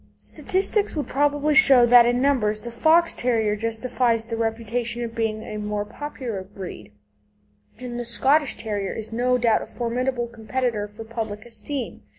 Statistics would probably show that in numbers the Fox terrier justifies the reputation of being a more popular breed, and the Scottish Terrier is no doubt a formidable competitor for public esteem.